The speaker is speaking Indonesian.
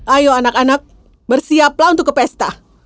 ayo anak anak bersiaplah untuk ke pesta